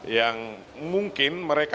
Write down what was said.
yang mungkin mereka